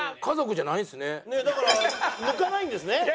家族じゃないんですね。